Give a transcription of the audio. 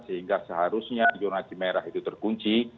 sehingga seharusnya di jorna cimerah itu terkunci